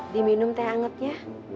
diminum teh anget ya